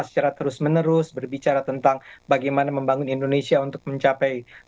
secara terus menerus berbicara tentang bagaimana membangun indonesia untuk mencapai